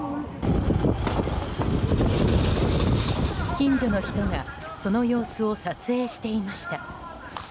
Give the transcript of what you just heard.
近所の人がその様子を撮影していました。